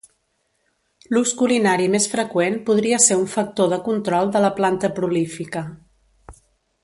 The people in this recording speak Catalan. L'ús culinari més freqüent podria ser un factor de control de la planta prolífica.